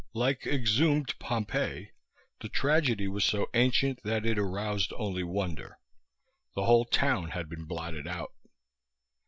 Like exhumed Pompeii, the tragedy was so ancient that it aroused only wonder. The whole town had been blotted out.